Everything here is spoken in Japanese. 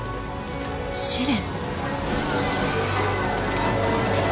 試練？